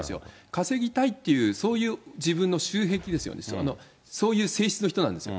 稼ぎたいっていう、そういう自分の習癖ですよね、そういう性質の人なんですよ。